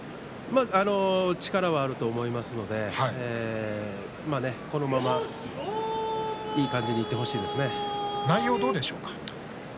力はあると思いますのでこのままいい感じに内容はどうでしょうか。